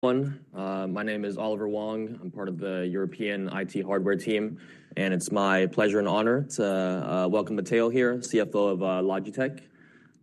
My name is Oliver Wong. I'm part of the European IT hardware team. It's my pleasure and honor to welcome Matteo here, CFO of Logitech.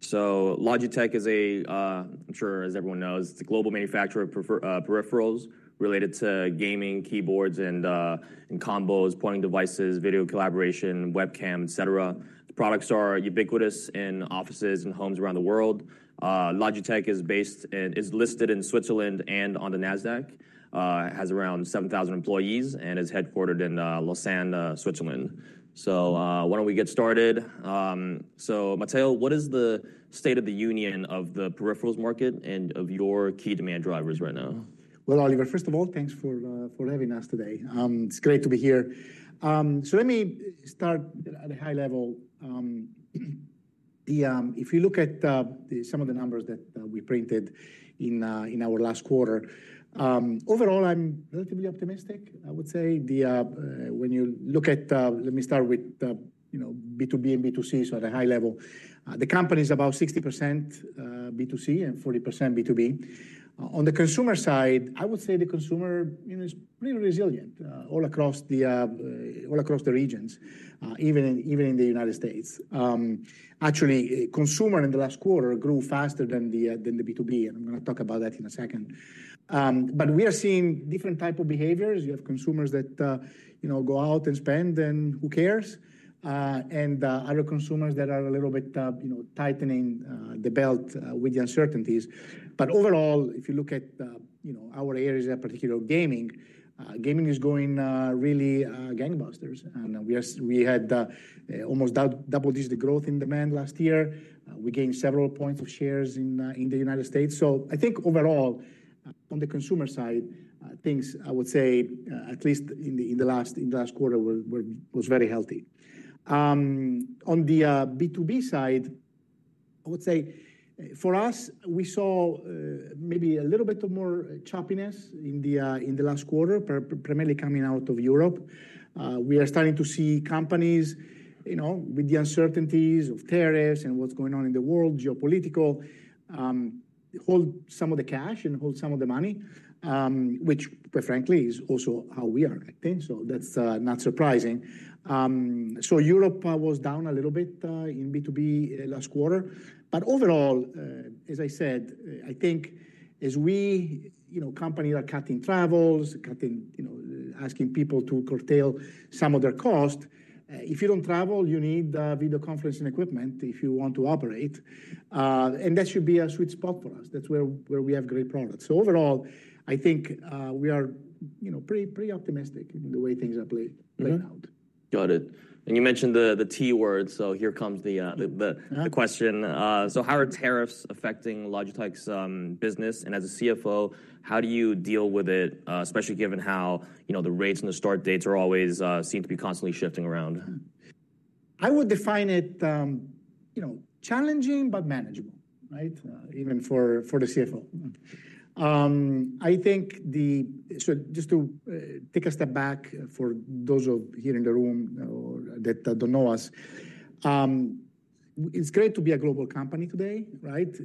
Logitech is a, I'm sure as everyone knows, it's a global manufacturer of peripherals related to gaming, keyboards, and combos, pointing devices, video collaboration, webcam, et cetera. The products are ubiquitous in offices and homes around the world. Logitech is listed in Switzerland and on the NASDAQ. It has around 7,000 employees and is headquartered in Lausanne, Switzerland. Why don't we get started? Matteo, what is the state of the union of the peripherals market and of your key demand drivers right now? Oliver, first of all, thanks for having us today. It's great to be here. Let me start at a high level. If you look at some of the numbers that we printed in our last quarter, overall, I'm relatively optimistic, I would say. When you look at, let me start with B2B and B2C, at a high level, the company is about 60% B2C and 40% B2B. On the consumer side, I would say the consumer is pretty resilient all across the regions, even in the United States. Actually, consumer in the last quarter grew faster than the B2B. I'm going to talk about that in a second. We are seeing different types of behaviors. You have consumers that go out and spend, and who cares? Other consumers are a little bit tightening the belt with the uncertainties. Overall, if you look at our area, particularly gaming, gaming is going really gangbusters. We had almost double-digit growth in demand last year. We gained several points of shares in the United States. I think overall, on the consumer side, things, I would say, at least in the last quarter, were very healthy. On the B2B side, I would say, for us, we saw maybe a little bit more choppiness in the last quarter, primarily coming out of Europe. We are starting to see companies with the uncertainties of tariffs and what is going on in the world, geopolitical, hold some of the cash and hold some of the money, which, quite frankly, is also how we are, I think. That is not surprising. Europe was down a little bit in B2B last quarter. Overall, as I said, I think as we companies are cutting travels, cutting, asking people to curtail some of their cost, if you do not travel, you need video conferencing equipment if you want to operate. That should be a sweet spot for us. That is where we have great products. Overall, I think we are pretty optimistic in the way things are playing out. Got it. You mentioned the T word. Here comes the question. How are tariffs affecting Logitech's business? As a CFO, how do you deal with it, especially given how the rates and the start dates seem to be constantly shifting around? I would define it challenging, but manageable, even for the CFO. I think just to take a step back for those here in the room that do not know us, it is great to be a global company today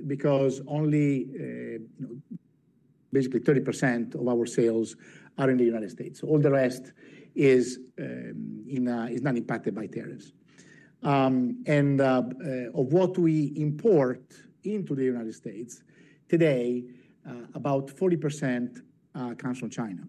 because only basically 30% of our sales are in the United States. All the rest is not impacted by tariffs. Of what we import into the United States today, about 40% comes from China.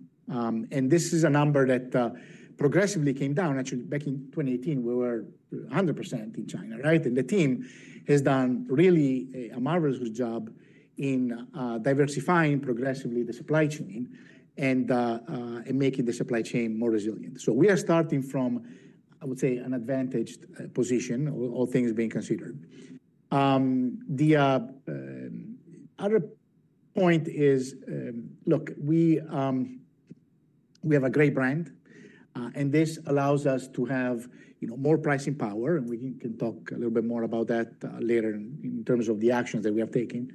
This is a number that progressively came down. Actually, back in 2018, we were 100% in China. The team has done really a marvelous job in diversifying progressively the supply chain and making the supply chain more resilient. We are starting from, I would say, an advantaged position, all things being considered. The other point is, look, we have a great brand. This allows us to have more pricing power. We can talk a little bit more about that later in terms of the actions that we are taking.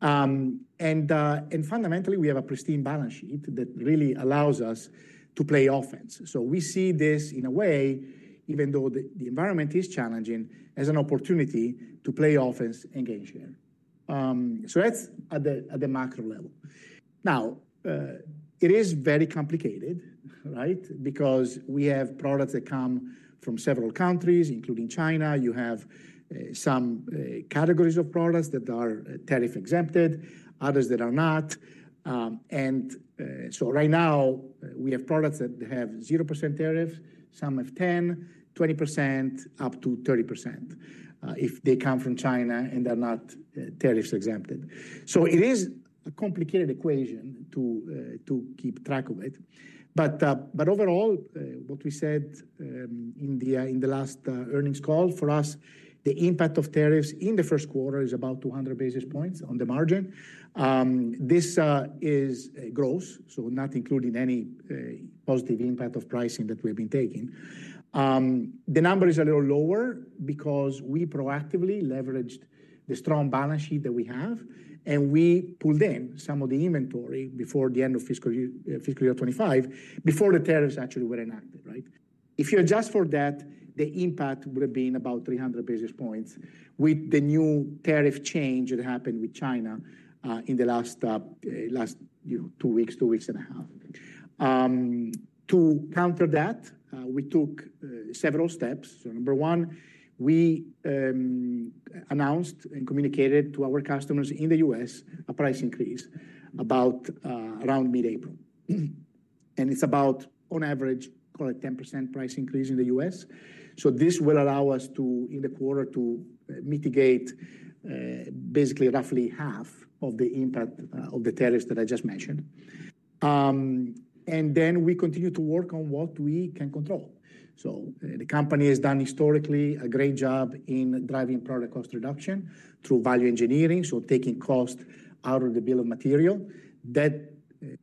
Fundamentally, we have a pristine balance sheet that really allows us to play offense. We see this in a way, even though the environment is challenging, as an opportunity to play offense and gain share. That is at the macro level. It is very complicated because we have products that come from several countries, including China. You have some categories of products that are tariff-exempted, others that are not. Right now, we have products that have 0% tariffs, some have 10%, 20%, up to 30% if they come from China and they are not tariff-exempted. It is a complicated equation to keep track of it. Overall, what we said in the last earnings call, for us, the impact of tariffs in the first quarter is about 200 basis points on the margin. This is gross, so not including any positive impact of pricing that we have been taking. The number is a little lower because we proactively leveraged the strong balance sheet that we have. We pulled in some of the inventory before the end of fiscal year 2025, before the tariffs actually were enacted. If you adjust for that, the impact would have been about 300 basis points with the new tariff change that happened with China in the last two weeks, two weeks and a half. To counter that, we took several steps. Number one, we announced and communicated to our customers in the US a price increase around mid-April. It is about, on average, a 10% price increase in the U.S. This will allow us in the quarter to mitigate basically roughly half of the impact of the tariffs that I just mentioned. We continue to work on what we can control. The company has done historically a great job in driving product cost reduction through value engineering, taking cost out of the bill of material that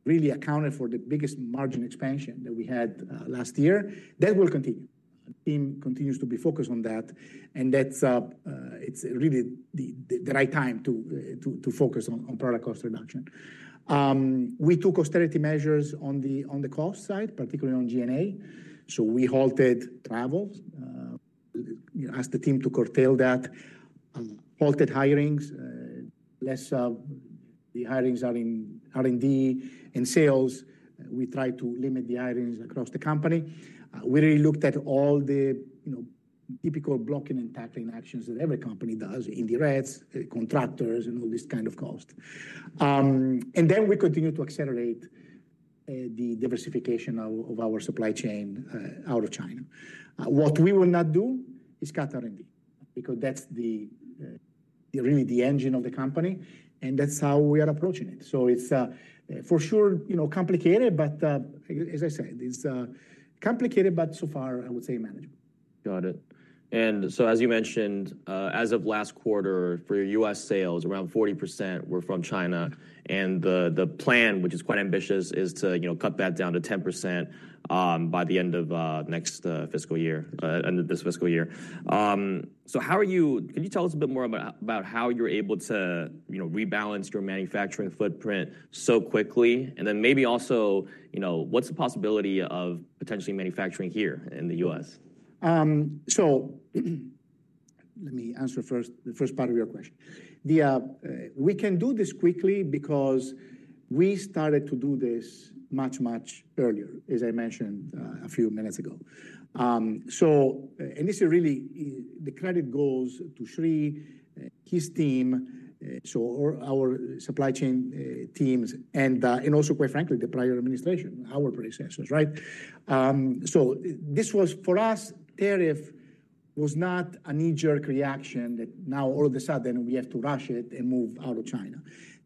really accounted for the biggest margin expansion that we had last year. That will continue. The team continues to be focused on that. It is really the right time to focus on product cost reduction. We took austerity measures on the cost side, particularly on G&A. We halted travel, asked the team to curtail that, halted hirings. The hirings are in R&D and sales. We tried to limit the hirings across the company. We really looked at all the typical blocking and tackling actions that every company does in the REITs, contractors, and all this kind of cost. We continue to accelerate the diversification of our supply chain out of China. What we will not do is cut R&D because that's really the engine of the company. That's how we are approaching it. It is for sure complicated, but as I said, it's complicated, but so far, I would say manageable. Got it. As you mentioned, as of last quarter, for your U.S. sales, around 40% were from China. The plan, which is quite ambitious, is to cut that down to 10% by the end of next fiscal year, end of this fiscal year. Can you tell us a bit more about how you're able to rebalance your manufacturing footprint so quickly? Maybe also, what's the possibility of potentially manufacturing here in the U.S.? Let me answer first the first part of your question. We can do this quickly because we started to do this much, much earlier, as I mentioned a few minutes ago. This is really the credit that goes to Sree, his team, so our supply chain teams, and also, quite frankly, the prior administration, our predecessors. For us, tariff was not a knee-jerk reaction that now all of a sudden we have to rush it and move out of China.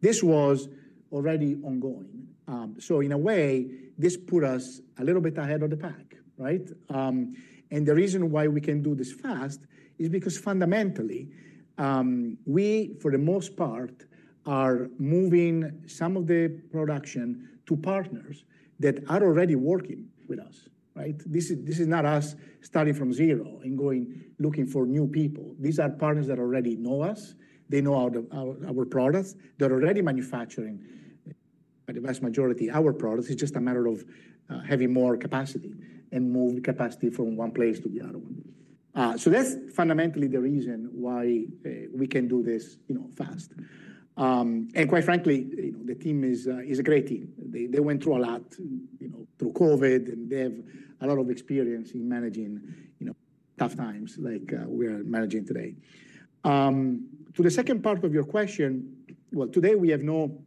This was already ongoing. In a way, this put us a little bit ahead of the pack. The reason why we can do this fast is because fundamentally, we, for the most part, are moving some of the production to partners that are already working with us. This is not us starting from zero and going looking for new people. These are partners that already know us. They know our products. They're already manufacturing the vast majority of our products. It's just a matter of having more capacity and moving capacity from one place to the other one. That's fundamentally the reason why we can do this fast. Quite frankly, the team is a great team. They went through a lot through COVID, and they have a lot of experience in managing tough times like we are managing today. To the second part of your question, today we have no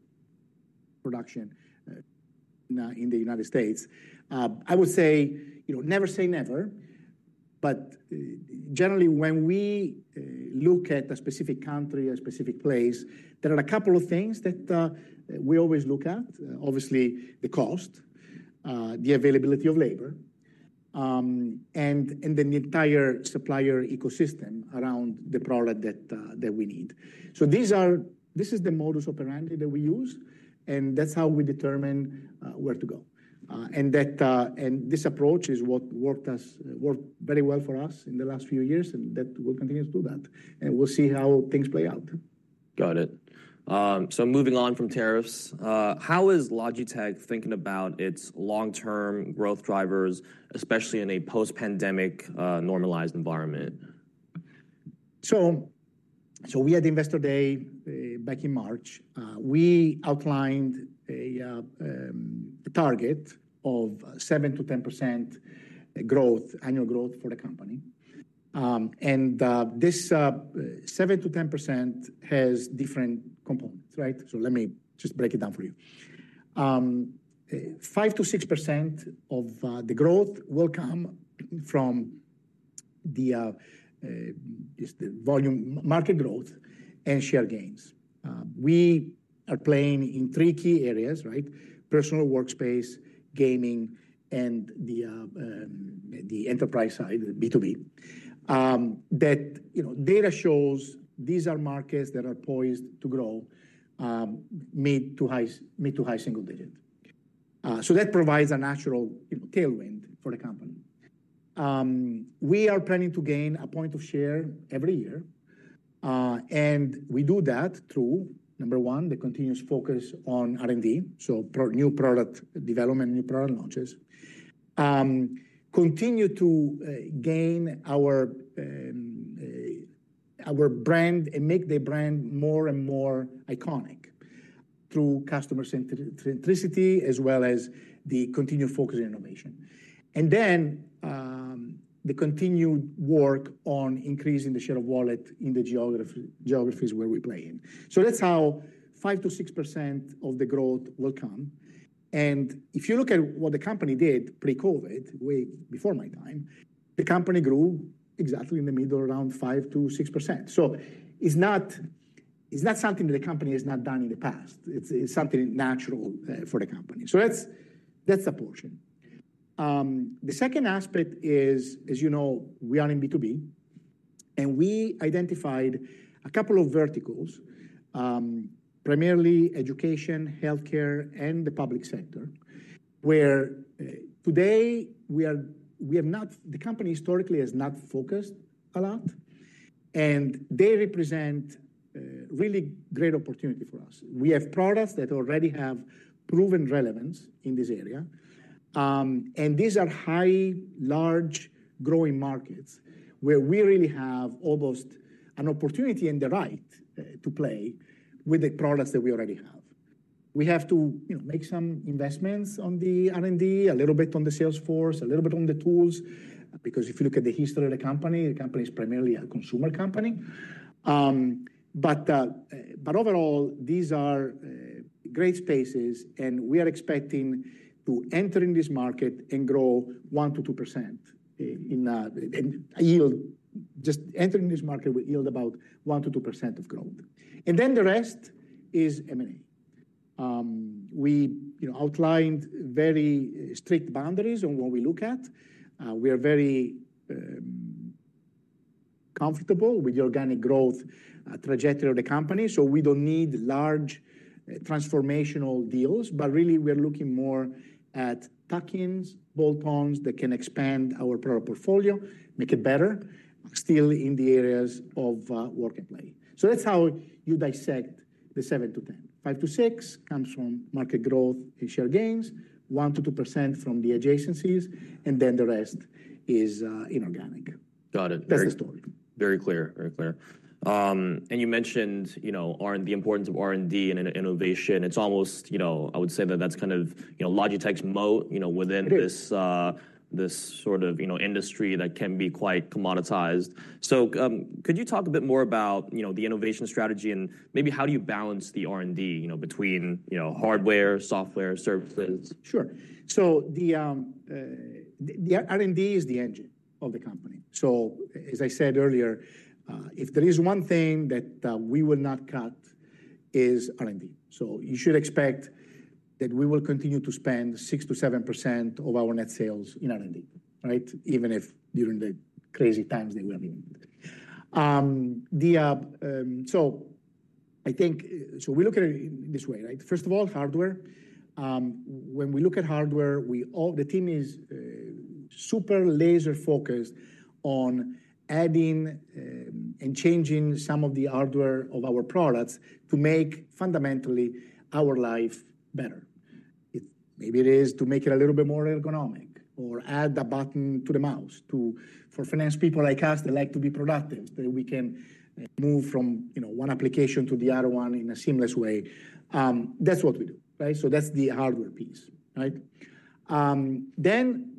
production in the U.S. I would say never say never. Generally, when we look at a specific country, a specific place, there are a couple of things that we always look at, obviously the cost, the availability of labor, and then the entire supplier ecosystem around the product that we need. This is the modus operandi that we use. That's how we determine where to go. This approach is what worked very well for us in the last few years, and we'll continue to do that. We'll see how things play out. Got it. Moving on from tariffs, how is Logitech thinking about its long-term growth drivers, especially in a post-pandemic normalized environment? We had Investor Day back in March. We outlined a target of 7%-10% annual growth for the company. This 7%-10% has different components. Let me just break it down for you. 5%-6% of the growth will come from the market growth and share gains. We are playing in three key areas: personal workspace, gaming, and the enterprise side, B2B. Data shows these are markets that are poised to grow mid to high single digit. That provides a natural tailwind for the company. We are planning to gain a point of share every year. We do that through, number one, the continuous focus on R&D, so new product development, new product launches, continue to gain our brand and make the brand more and more iconic through customer centricity, as well as the continued focus on innovation. Then the continued work on increasing the share of wallet in the geographies where we play in. That is how 5%-6% of the growth will come. If you look at what the company did pre-COVID, before my time, the company grew exactly in the middle, around 5%-6%. It is not something that the company has not done in the past. It is something natural for the company. That is the portion. The second aspect is, as you know, we are in B2B. We identified a couple of verticals, primarily education, healthcare, and the public sector, where today we are not, the company historically has not focused a lot. They represent really great opportunity for us. We have products that already have proven relevance in this area. These are high, large, growing markets where we really have almost an opportunity and the right to play with the products that we already have. We have to make some investments on the R&D, a little bit on the Salesforce, a little bit on the tools, because if you look at the history of the company, the company is primarily a consumer company. Overall, these are great spaces. We are expecting to enter in this market and grow 1%-2% in yield, just entering this market with yield about 1%-2% of growth. The rest is M&A. We outlined very strict boundaries on what we look at. We are very comfortable with the organic growth trajectory of the company. We do not need large transformational deals. Really, we are looking more at tuck-ins, bolt-ons that can expand our product portfolio, make it better, still in the areas of work and play. That is how you dissect the 7%-10%. 5%-6% comes from market growth and share gains, 1%-2% from the adjacencies. The rest is inorganic. Got it. Very clear. You mentioned the importance of R&D and innovation. It's almost, I would say that that's kind of Logitech's moat within this sort of industry that can be quite commoditized. Could you talk a bit more about the innovation strategy and maybe how do you balance the R&D between hardware, software, services? Sure. The R&D is the engine of the company. As I said earlier, if there is one thing that we will not cut, it is R&D. You should expect that we will continue to spend 6%-7% of our net sales in R&D, even if during the crazy times they will be. I think we look at it this way. First of all, hardware. When we look at hardware, the team is super laser-focused on adding and changing some of the hardware of our products to make fundamentally our life better. Maybe it is to make it a little bit more ergonomic or add a button to the mouse for finance people like us. They like to be productive. We can move from one application to the other one in a seamless way. That is what we do. That is the hardware piece.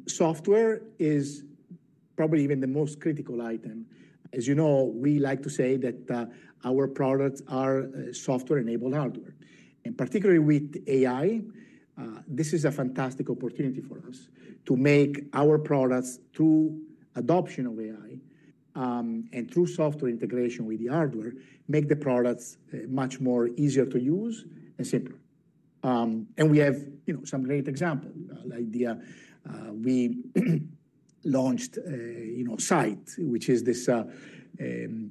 Software is probably even the most critical item. As you know, we like to say that our products are software-enabled hardware. As you look at AI, this is a fantastic opportunity for us to make our products, through adoption of AI and through software integration with the hardware, much easier to use and simpler. We have some great examples. We launched Sight, which is this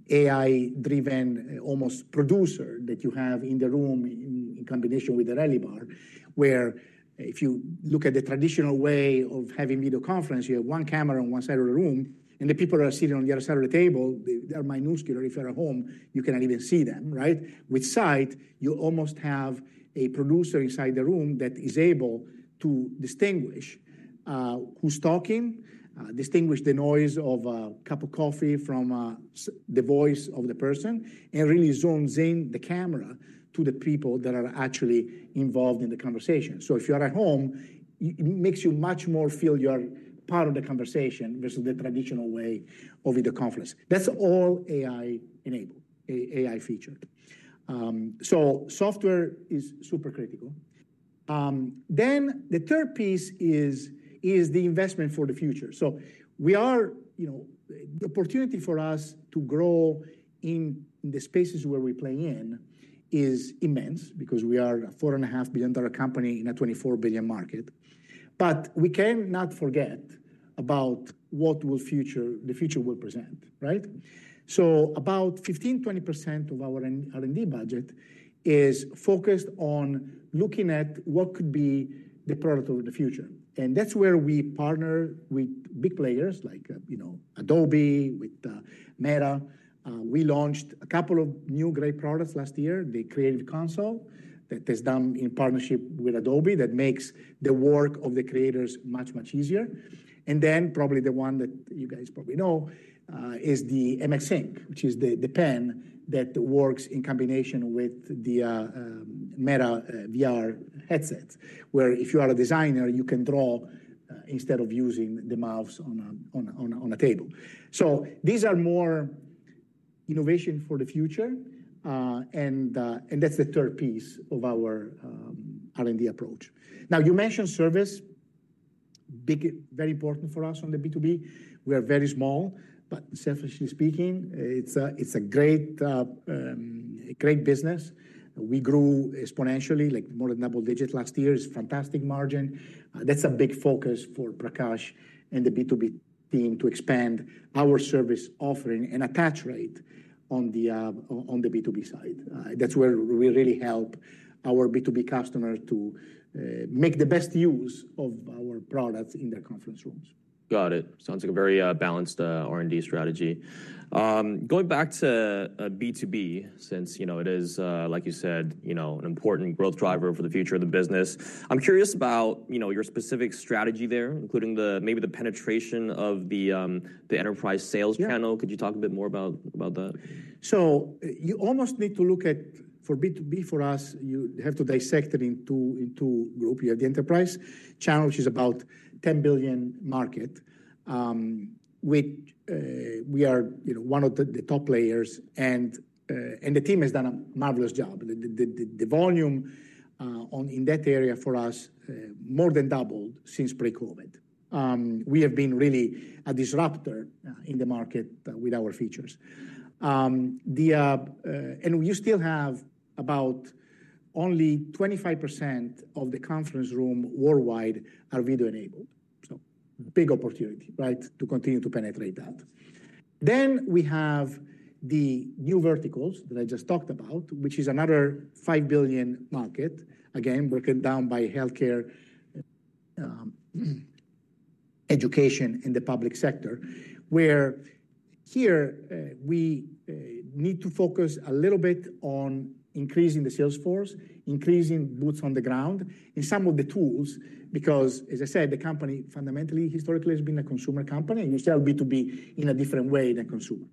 AI-driven almost producer that you have in the room in combination with the Rally Bar, where if you look at the traditional way of having video conference, you have one camera on one side of the room, and the people are sitting on the other side of the table. They are minuscule. If you're at home, you cannot even see them. With Sight, you almost have a producer inside the room that is able to distinguish who's talking, distinguish the noise of a cup of coffee from the voice of the person, and really zooms in the camera to the people that are actually involved in the conversation. If you are at home, it makes you much more feel you are part of the conversation versus the traditional way of video conference. That is all AI-enabled, AI-featured. Software is super critical. The third piece is the investment for the future. The opportunity for us to grow in the spaces where we play in is immense because we are a $4.5 billion company in a $24 billion market. We cannot forget about what the future will present. About 15%-20% of our R&D budget is focused on looking at what could be the product of the future. That is where we partner with big players like Adobe, with Meta. We launched a couple of new great products last year, the Creative Console that is done in partnership with Adobe that makes the work of the creators much, much easier. Probably the one that you guys probably know is the MX Ink, which is the pen that works in combination with the Meta VR headset, where if you are a designer, you can draw instead of using the mouse on a table. These are more innovation for the future. That is the third piece of our R&D approach. You mentioned service. Very important for us on the B2B. We are very small. Selfishly speaking, it is a great business. We grew exponentially, like more than double digits last year. It's a fantastic margin. That's a big focus for Prakash and the B2B team to expand our service offering and attach rate on the B2B side. That's where we really help our B2B customers to make the best use of our products in their conference rooms. Got it. Sounds like a very balanced R&D strategy. Going back to B2B, since it is, like you said, an important growth driver for the future of the business, I'm curious about your specific strategy there, including maybe the penetration of the enterprise sales channel. Could you talk a bit more about that? You almost need to look at for B2B for us, you have to dissect it into two groups. You have the enterprise channel, which is about $10 billion market, which we are one of the top players. The team has done a marvelous job. The volume in that area for us more than doubled since pre-COVID. We have been really a disruptor in the market with our features. You still have about only 25% of the conference room worldwide are video enabled. Big opportunity to continue to penetrate that. We have the new verticals that I just talked about, which is another $5 billion market, again, broken down by healthcare, education, and the public sector, where here we need to focus a little bit on increasing the sales force, increasing boots on the ground, and some of the tools, because, as I said, the company fundamentally historically has been a consumer company. You sell B2B in a different way than consumer.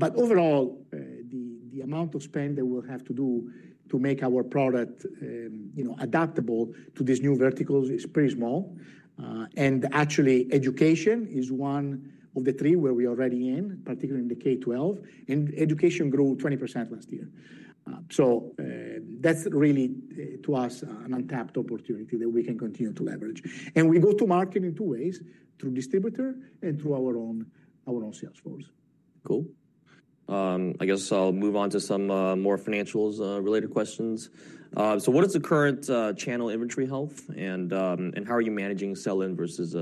Overall, the amount of spend that we'll have to do to make our product adaptable to these new verticals is pretty small. Actually, education is one of the three where we are already in, particularly in the K-12. Education grew 20% last year. That is really, to us, an untapped opportunity that we can continue to leverage. We go to market in two ways, through distributor and through our own sales force. Cool. I guess I'll move on to some more financials-related questions. What is the current channel inventory health? How are you managing sell-in versus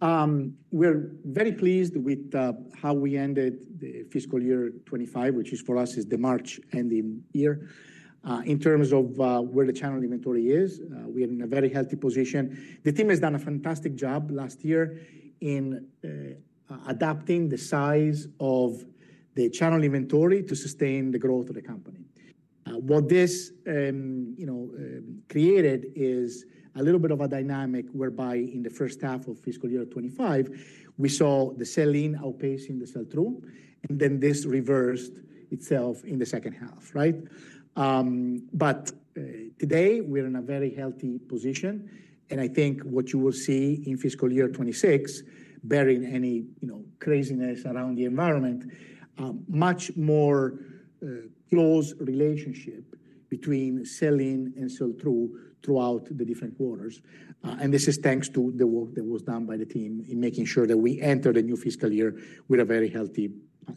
sell-through? We're very pleased with how we ended the fiscal year 2025, which for us is the March ending year. In terms of where the channel inventory is, we are in a very healthy position. The team has done a fantastic job last year in adapting the size of the channel inventory to sustain the growth of the company. What this created is a little bit of a dynamic whereby in the first half of fiscal year 2025, we saw the sell-in outpacing the sell-through. This reversed itself in the second half. Today, we're in a very healthy position. I think what you will see in fiscal year 2026, bearing any craziness around the environment, is a much more close relationship between sell-in and sell-through throughout the different quarters. This is thanks to the work that was done by the team in making sure that we enter the new fiscal year with a very healthy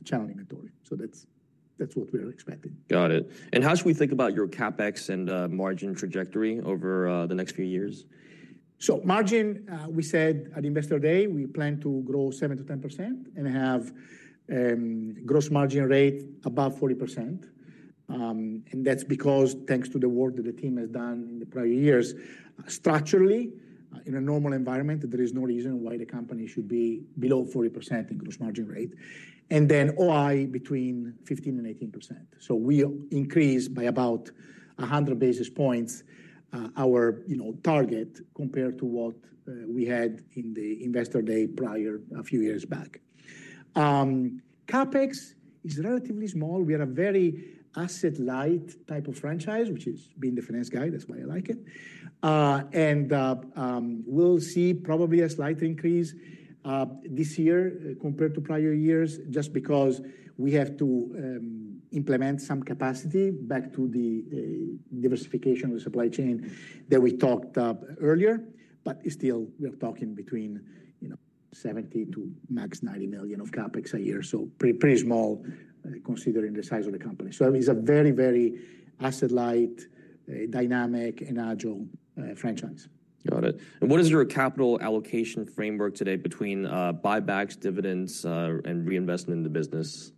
channel inventory. That is what we are expecting. Got it. And how should we think about your CapEx and margin trajectory over the next few years? Margin, we said at Investor Day, we plan to grow 7%-10% and have gross margin rate above 40%. That is because thanks to the work that the team has done in the prior years, structurally, in a normal environment, there is no reason why the company should be below 40% in gross margin rate. OI between 15%-18%. We increase by about 100 basis points our target compared to what we had in the Investor Day prior a few years back. CapEx is relatively small. We are a very asset-light type of franchise, which is being the finance guy. That is why I like it. We will see probably a slight increase this year compared to prior years, just because we have to implement some capacity back to the diversification of the supply chain that we talked earlier. Still, we are talking between $70 million to max $90 million of CapEx a year. So pretty small considering the size of the company. It is a very, very asset-light, dynamic, and agile franchise. Got it. What is your capital allocation framework today between buybacks, dividends, and reinvestment in the business?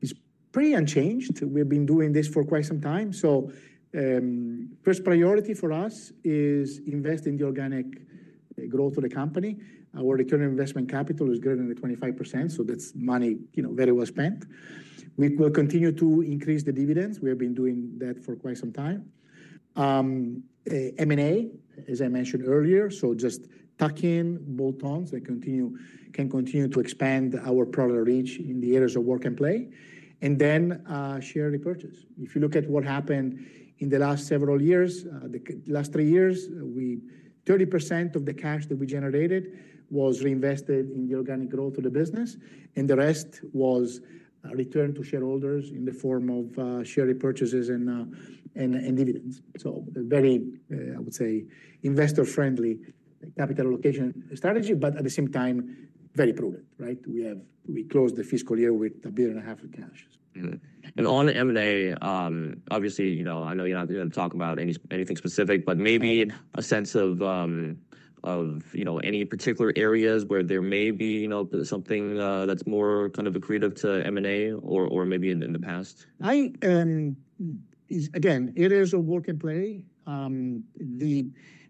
It's pretty unchanged. We've been doing this for quite some time. First priority for us is invest in the organic growth of the company. Our return on investment capital is greater than 25%. That's money very well spent. We will continue to increase the dividends. We have been doing that for quite some time. M&A, as I mentioned earlier. Just tuck-in, bolt-ons, and can continue to expand our product reach in the areas of work and play. Then share repurchase. If you look at what happened in the last several years, the last three years, 30% of the cash that we generated was reinvested in the organic growth of the business. The rest was returned to shareholders in the form of share repurchases and dividends. Very, I would say, investor-friendly capital allocation strategy, but at the same time, very prudent. We closed the fiscal year with $1.5 billion of cash. On M&A, obviously, I know you're not going to talk about anything specific, but maybe a sense of any particular areas where there may be something that's more kind of accretive to M&A or maybe in the past. Again, it is a work and play.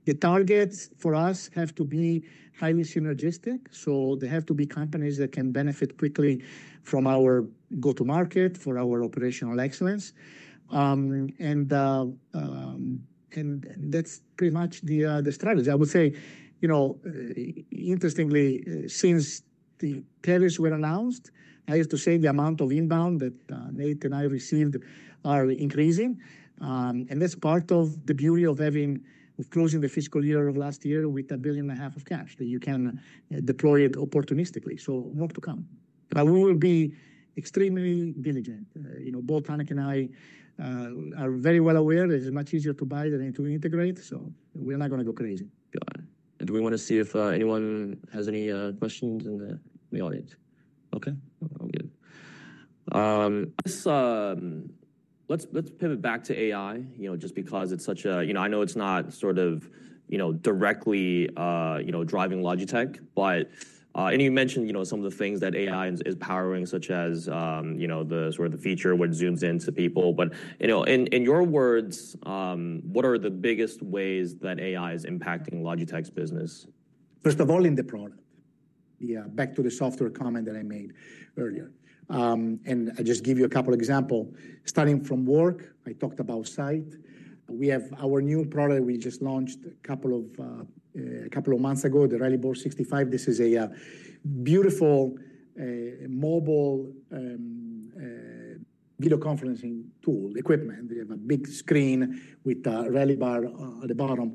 The targets for us have to be highly synergistic. They have to be companies that can benefit quickly from our go-to-market for our operational excellence. That is pretty much the strategy. I would say, interestingly, since the tellers were announced, I used to say the amount of inbound that Nate and I received are increasing. That is part of the beauty of closing the fiscal year of last year with $1.5 billion of cash that you can deploy opportunistically. More to come. We will be extremely diligent. Both Hanneke and I are very well aware. It is much easier to buy than to integrate. We are not going to go crazy. Got it. Do we want to see if anyone has any questions in the audience? OK. Let's pivot back to AI, just because it's such a I know it's not sort of directly driving Logitech. You mentioned some of the things that AI is powering, such as the feature where it zooms into people. In your words, what are the biggest ways that AI is impacting Logitech's business? First of all, in the product. Yeah, back to the software comment that I made earlier. I'll just give you a couple of examples. Starting from work, I talked about Sight. We have our new product we just launched a couple of months ago, the Rally Bar 65. This is a beautiful mobile video conferencing tool, equipment. They have a big screen with a rally bar at the bottom.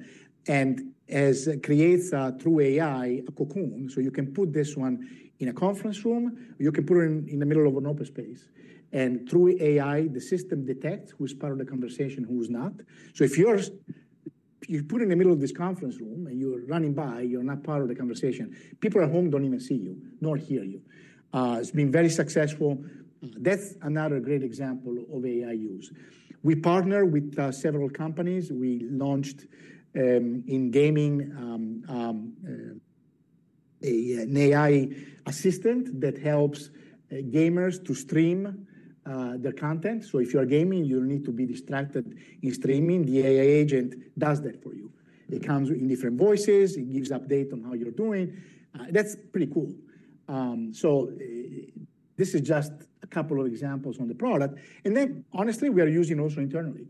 As it creates through AI a cocoon. You can put this one in a conference room. You can put it in the middle of an open space. Through AI, the system detects who's part of the conversation, who's not. If you're put in the middle of this conference room and you're running by, you're not part of the conversation. People at home don't even see you, nor hear you. It's been very successful. That's another great example of AI use. We partner with several companies. We launched in gaming an AI assistant that helps gamers to stream their content. If you're gaming, you don't need to be distracted in streaming. The AI agent does that for you. It comes in different voices. It gives updates on how you're doing. That's pretty cool. This is just a couple of examples on the product. Honestly, we are using also internally.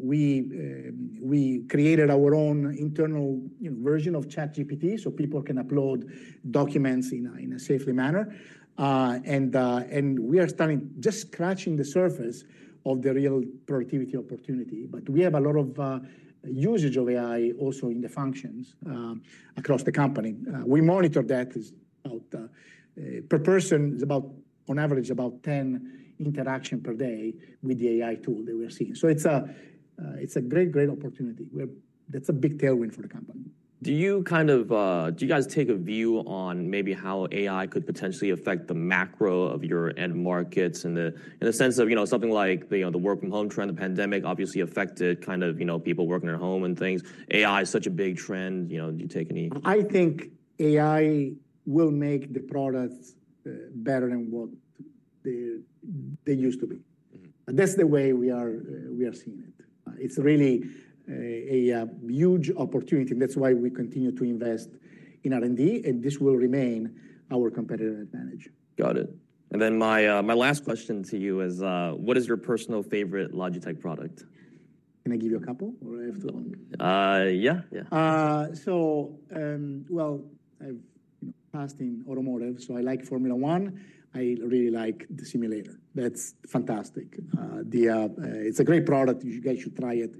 We created our own internal version of ChatGPT so people can upload documents in a safer manner. We are starting just scratching the surface of the real productivity opportunity. We have a lot of usage of AI also in the functions across the company. We monitor that. Per person, it's about, on average, about 10 interactions per day with the AI tool that we are seeing. It's a great, great opportunity. That's a big tailwind for the company. Do you guys take a view on maybe how AI could potentially affect the macro of your end markets in the sense of something like the work from home trend? The pandemic obviously affected kind of people working at home and things. AI is such a big trend. Do you take any? I think AI will make the products better than what they used to be. That is the way we are seeing it. It is really a huge opportunity. That is why we continue to invest in R&D. This will remain our competitive advantage. Got it. And then my last question to you is, what is your personal favorite Logitech product? Can I give you a couple? Or do I have too long? Yeah, yeah. I've passed in automotive. I like Formula 1. I really like the simulator. That's fantastic. It's a great product. You guys should try it.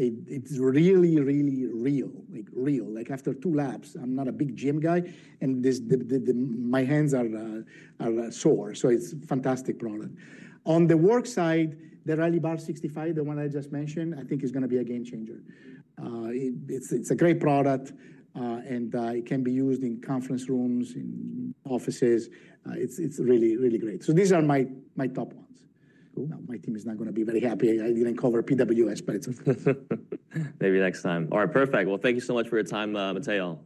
It's really, really real. Like real. Like after two laps, I'm not a big gym guy. And my hands are sore. It's a fantastic product. On the work side, the Rally Bar 65, the one I just mentioned, I think is going to be a game changer. It's a great product. It can be used in conference rooms, in offices. It's really, really great. These are my top ones. My team is not going to be very happy. I didn't cover PWS, but it's okay. Maybe next time. All right, perfect. Thank you so much for your time, Matteo.